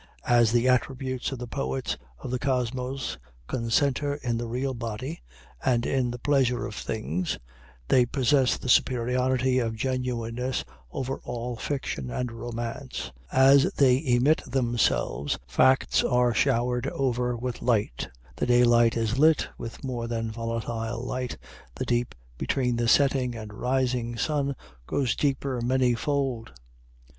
As the attributes of the poets of the kosmos concenter in the real body, and in the pleasure of things, they possess the superiority of genuineness over all fiction and romance. As they emit themselves, facts are shower'd over with light the daylight is lit with more volatile light the deep between the setting and rising sun goes deeper many fold.